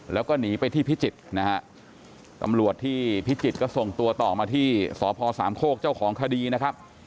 แล้วก็หนีไปที่พิจิตรนะฮะตำรวจที่พิจิตรก็ส่งตัวต่อมาที่สพสามโคกเจ้าของคดีนะครับ